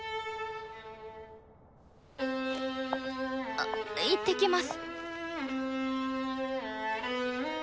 あ行ってきます。